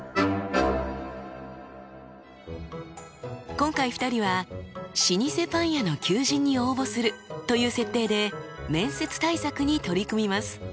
今回２人は老舗パン屋の求人に応募するという設定で面接対策に取り組みます。